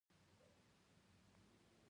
پر دښتونو د خپلواکۍ ږغ را شین شي